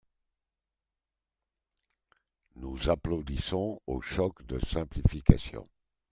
Nous applaudissons au choc de simplification